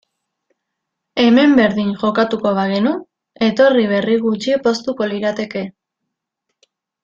Hemen berdin jokatuko bagenu, etorri berri gutxi poztuko lirateke.